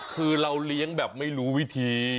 คือเราเลี้ยงแบบไม่รู้วิธี